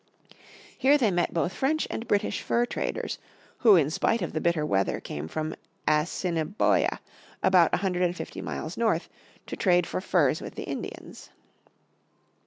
Here they met both French and British fur traders, who in spite of the bitter weather came from Assiniboia, about a hundred and fifty miles north, to trade for furs with the Indians.